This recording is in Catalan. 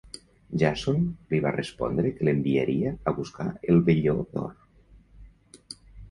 Jàson li va respondre que l'enviaria a buscar el velló d'or.